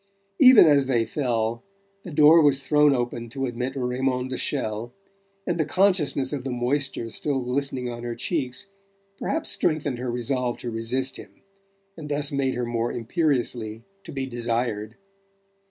Even as they fell, the door was thrown open to admit Raymond de Chelles, and the consciousness of the moisture still glistening on her cheeks perhaps strengthened her resolve to resist him, and thus made her more imperiously to be desired.